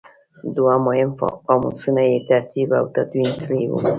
دوه مهم قاموسونه یې ترتیب او تدوین کړي وو.